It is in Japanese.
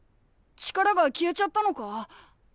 力が消えちゃったのか？